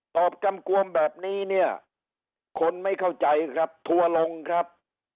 กำกวมแบบนี้เนี่ยคนไม่เข้าใจครับทัวร์ลงครับ